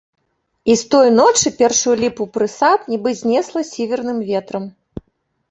І з той ночы першую ліпу прысад нібы знесла сіверным ветрам.